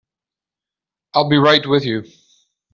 I'll be right with you.